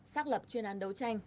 xác lập chuyên án đấu tranh